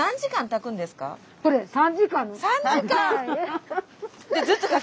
３時間！？